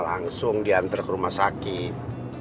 langsung diantar ke rumah sakit